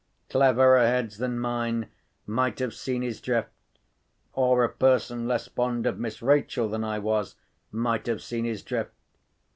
Cleverer heads than mine might have seen his drift. Or a person less fond of Miss Rachel than I was, might have seen his drift.